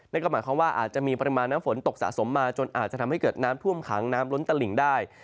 นั่นก็หมายความว่าอาจจะมีปริมาณน้ำฝนตกสะสมมาจนอาจจะทำให้เกิดน้ำท่วมขังน้ำล้นตลิ่งได้